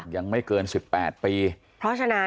ยังไม่เกิน๑๘ปีเพราะฉะนั้น